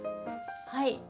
はい。